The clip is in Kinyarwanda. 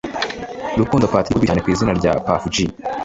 Rukundo Patrick uzwi cyane ku izina rya Puff-G